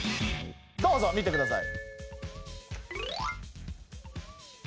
どうぞ見てください。